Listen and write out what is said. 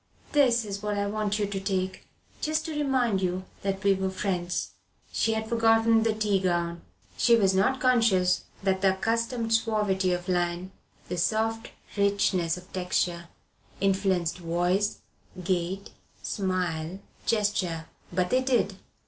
"This is what I want you to take, just to remind you that we're friends." She had forgotten the tea gown. She was not conscious that the accustomed suavity of line, the soft richness of texture influenced voice, gait, smile, gesture. But they did.